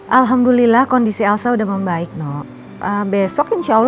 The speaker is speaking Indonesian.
alhamdulillah udah gak terlalu pusing